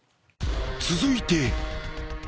［続いて］